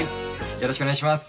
よろしくお願いします。